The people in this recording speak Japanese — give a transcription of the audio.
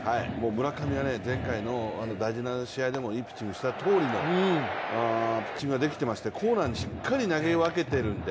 村上は前回の大事な試合でもいいピッチングをしていたとおりのピッチングができていまして、コーナーにしっかり投げ分けてるんで。